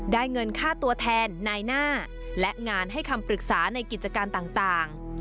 เงินค่าตัวแทนนายหน้าและงานให้คำปรึกษาในกิจการต่าง